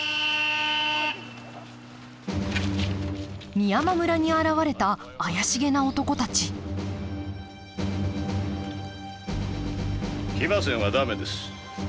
美山村に現れた怪しげな男たち騎馬戦は駄目です。